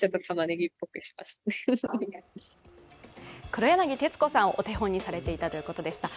黒柳徹子さんをお手本にされていたということでした。